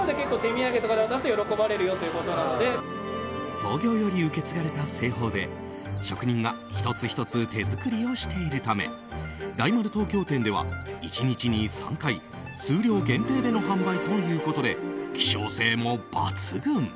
創業より受け継がれた製法で職人が１つ１つ手作りをしているため大丸東京店では１日に３回数量限定での販売ということで希少性も抜群。